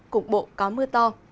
cục bộ có mưa to